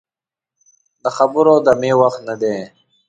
د خبرو او دمې وخت نه دی.